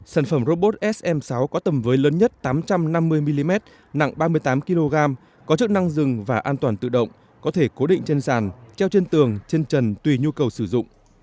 sản phẩm robot sm sáu có tầm với lớn nhất tám trăm năm mươi mm nặng ba mươi tám kg có chức năng dừng và an toàn tự động có thể cố định trên sàn treo trên tường trên trần tùy nhu cầu sử dụng